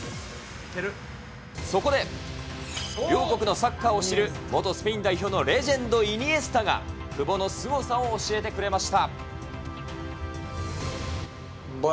そこで、両国のサッカーを知る元スペイン代表のレジェンド、イニエスタが、久保のすごさを教えてくれました。